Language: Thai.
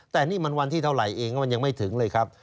แต่นี่มันวันที่เท่าไหร่เองก็มันยังไม่ถึงเลยครับ